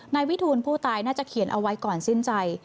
นายวิทูลผู้ตายน่าจะเขียนเอาไว้ก่อนสิ้นใจ